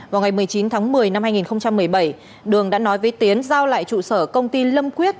vào ngày một mươi chín tháng một mươi năm hai nghìn một mươi bảy đường đã nói với tiến giao lại trụ sở công ty lâm quyết